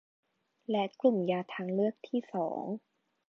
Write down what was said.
และกลุ่มยาทางเลือกที่สอง